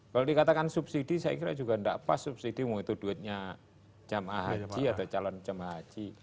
kalau dikatakan subsidi saya kira juga tidak pas subsidi mau itu duitnya jemaah haji atau calon jemaah haji